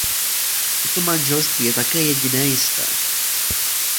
Toto manželství je také jediné jisté.